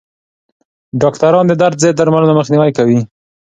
ډاکټران د درد ضد درملو مخنیوی کوي.